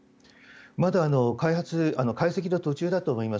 まだ解析の途中だと思います。